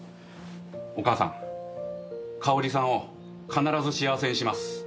お母さんカオリさんを必ず幸せにします。